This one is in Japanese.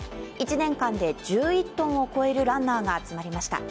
１年間で１１トンを超えるランナーが集まりました。